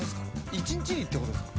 一日にってことですか？